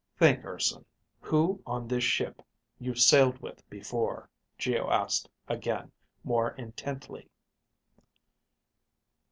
"Think, Urson, who on this ship you've sailed with before," Geo asked again, more intently.